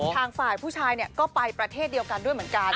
ทางฝ่ายผู้ชายก็ไปประเทศเดียวกันด้วยเหมือนกัน